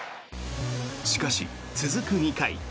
しかし、続く２回。